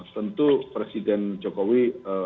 semtu presiden jokowi